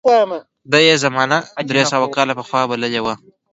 ده یې زمانه درې سوه کاله پخوا بللې وه.